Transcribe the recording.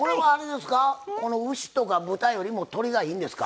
これは牛とか豚よりも鶏がいいんですか？